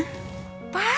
aku nanya kak dan rena